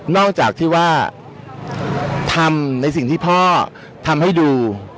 อกจากที่ว่าทำในสิ่งที่พ่อทำให้ดู